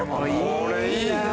これいいな。